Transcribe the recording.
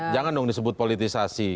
jangan dong disebut politisasi